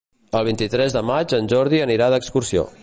El vint-i-tres de maig en Jordi anirà d'excursió.